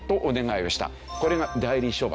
これが代理処罰。